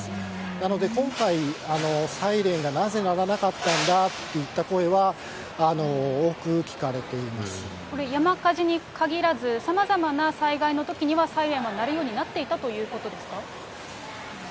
なので、今回、サイレンがなぜ鳴らなかったんだといった声は、多く聞かれていま山火事に限らず、さまざまな災害のときには、サイレンも鳴るようになっていたということですか。